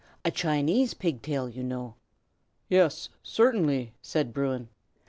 "A Chinese pig tail, you know." "Yes, certainly," said Bruin.